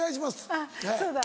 あっそうだ。